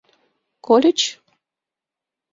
— Кольыч?